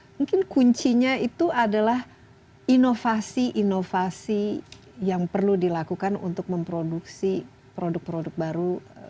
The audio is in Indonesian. mungkin kuncinya itu adalah inovasi inovasi yang perlu dilakukan untuk memproduksi produk produk baru